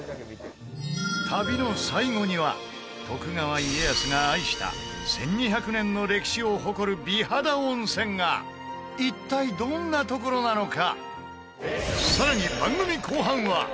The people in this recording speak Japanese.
旅の最後には徳川家康が愛した１２００年の歴史を誇る美肌温泉が一体、どんな所なのか？